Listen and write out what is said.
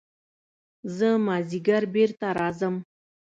زه مازديګر بېرته راځم.